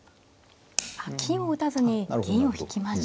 金を打たずに銀を引きました。